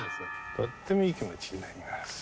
「とってもいい気持ちになります」